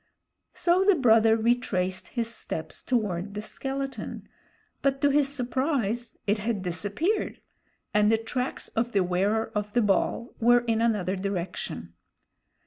So the brother retraced his steps toward the skeleton, but to his surprise it had disappeared, and the tracks of the Wearer of the Ball were in another direction.